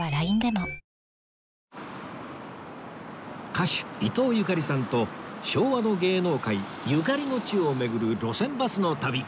歌手伊東ゆかりさんと昭和の芸能界ゆかりの地を巡る路線バスの旅